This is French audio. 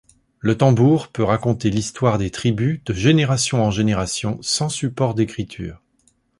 Le tambour peut raconter l'histoire des tribus de génération en génération sans support d'écriture.